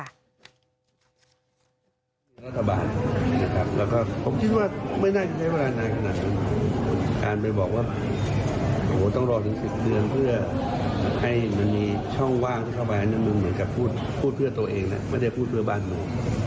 อันนั้นมึงเหมือนกับพูดพูดเพื่อตัวเองนะไม่ได้พูดเพื่อบ้านมึง